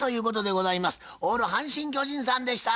オール阪神・巨人さんでした。